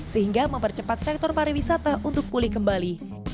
sehingga mempercepat sektor pariwisata untuk pulih kembali